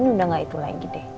udah gak itu lagi deh